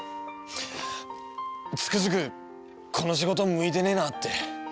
つくづくこの仕事向いてねえなって。